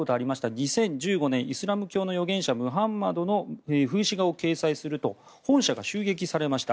２０１５年イスラム教の預言者ムハンマドの風刺画を掲載すると本社が襲撃されました。